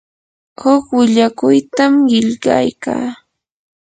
huk willakuytam qillqaykaa.